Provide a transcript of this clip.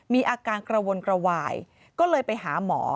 มีอาการกระวนกระวายก็เลยไปหาหมอ